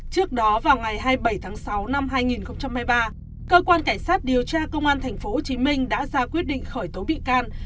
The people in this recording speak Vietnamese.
trước đó vào ngày hai mươi bảy tháng sáu năm hai nghìn hai mươi ba cơ quan cảnh sát điều tra công an tp hcm đã ra quyết định khởi tố bị can